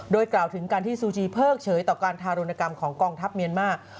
โดยกล่าวถึงการที่ซูจีเพิกเฉยต่อการทารุณกรรมของกองทัพเมียนมาร์